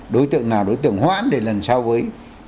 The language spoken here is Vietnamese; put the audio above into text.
đối tượng nào là đối tượng hoãn để lần sau với